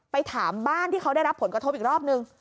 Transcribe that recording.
ถามบ้านที่เขาได้รับผลกระทบอีกรอบนึง